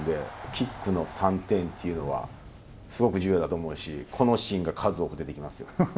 キックの３点っていうのはすごく重要だと思うし、このシーンが数多く出てきますよ。